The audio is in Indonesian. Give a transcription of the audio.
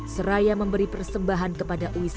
seraya memberi persembahan kepada wisata